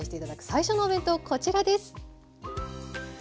最初のお弁当こちらです。